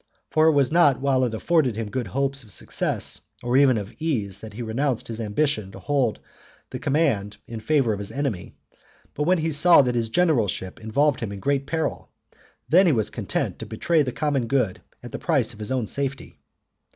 For it was not while it afforded him good hopes of success, or even of ease, that he renounced his ambition to hold the command in favour of his enemy, but when he saw that his generalship involved him in great peril, then he was content to betray the common good at the price of his own safety.